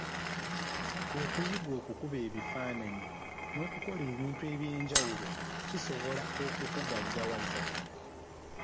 Okuyiga okukuba ebifaananyi n’okukola ebintu eby’enjawulo kisobola okukugaggawaza.